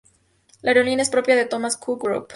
La aerolínea es propiedad de Thomas Cook Group.